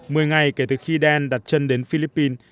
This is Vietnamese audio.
mười ngày kể từ khi đen đặt chân đến philippines